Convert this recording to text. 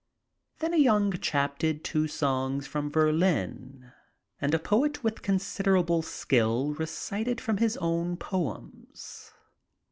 Then a young chap did two songs from Verlaine, and a poet with considerable skill recited from his own poems.